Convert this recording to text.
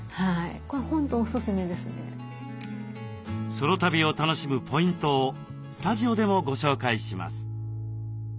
ソロ旅を楽しむポイントをスタジオでもご紹介します。